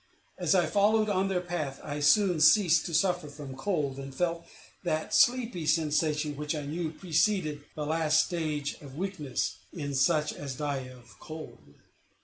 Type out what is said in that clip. As I followed on their path, I soon ceased to suffer from cold, and felt that sleepy sensation which I knew preceded the last stage of weakness in such as die of cold.